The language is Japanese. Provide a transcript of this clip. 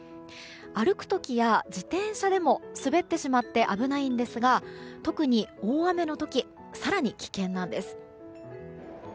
歩く時や自転車でも滑ってしまって危ないんですが特に大雨の時更に危険なんです。